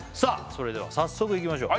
それでは早速いきましょう